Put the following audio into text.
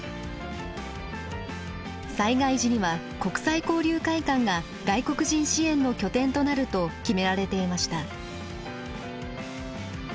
災害時には国際交流会館が外国人支援の拠点となると決められていました。